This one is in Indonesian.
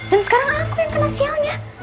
dan sekarang aku yang kena sialnya